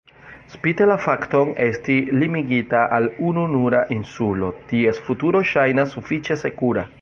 Spite la fakton esti limigita al ununura insulo, ties futuro ŝajnas sufiĉe sekura.